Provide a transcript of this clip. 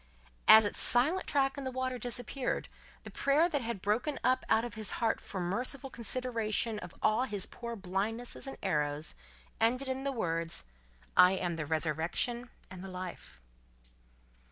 As its silent track in the water disappeared, the prayer that had broken up out of his heart for a merciful consideration of all his poor blindnesses and errors, ended in the words, "I am the resurrection and the life."